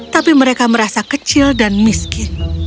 tapi mereka merasa kecil dan miskin